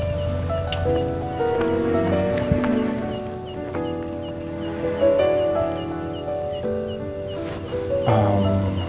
tidak usah ibu